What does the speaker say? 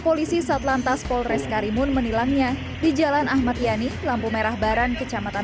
polisi satlantas polres karimun menilangnya di jalan ahmad yani lampu merah baran kecamatan